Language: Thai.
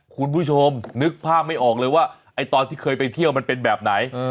คุณผู้ชมนึกภาพไม่ออกเลยว่าไอ้ตอนที่เคยไปเที่ยวมันเป็นแบบไหน